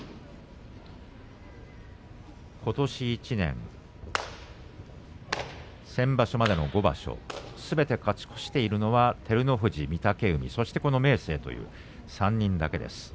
ことし１年、先場所までの５場所すべて勝ち越しているのは照ノ富士、御嶽海そして明生という３人だけです。